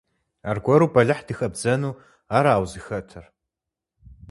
Аргуэру бэлыхь дыхэбдзэну ара узыхэтыр?